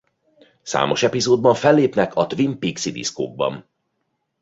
Számos epizódban fellépnek a Twin Peaks-i diszkóban.